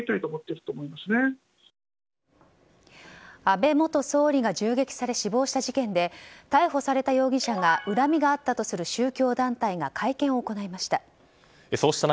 安倍元総理が銃撃され死亡した事件で逮捕された容疑者がうらみがあったとする宗教団体が会見を行いました。